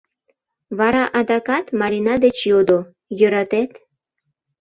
— Вара адакат Марина деч йодо: — Йӧратет?..